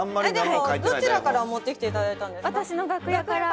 でもどちらから持ってきていただいたんですか？